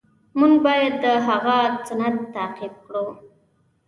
مونږ باید د هغه سنت تعقیب کړو.